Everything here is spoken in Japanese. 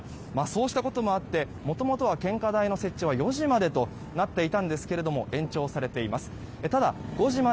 そうしたこともあってもともとは献花台の設置は４時までとなっていたんですが延長されています。